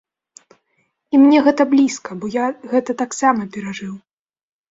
І мне гэта блізка, бо я гэта таксама перажыў.